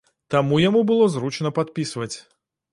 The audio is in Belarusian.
Таму яму было зручна падпісваць.